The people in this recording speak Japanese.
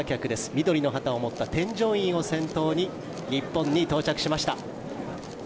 緑の旗を持った添乗員を先頭に日本に到着しました。